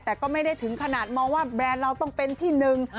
แต่ก็ไม่ได้ถึงขนาดมองว่าแบรนด์เราต้องเป็นที่หนึ่ง